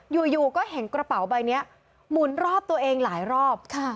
อยู่ก็เห็นกระเป๋าใบนี้หมุนรอบตัวเองหลายรอบ